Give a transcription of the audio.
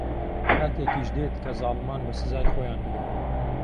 کاتێکیش دێت کە زاڵمان بە سزای خۆیان بگەن.